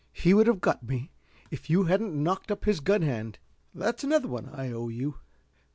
"He would have got me if you hadn't knocked up his gun hand. That's another one I owe you.